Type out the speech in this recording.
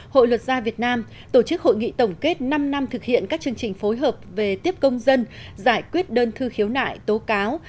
hội luật gia việt nam tổ chức hội nghị tổng kết năm năm thực hiện các chương trình phối hợp về tiếp công dân giải quyết đơn thư khiếu nại tố cáo